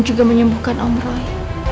juga menyembuhkan om roy